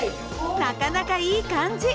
なかなかいい感じ。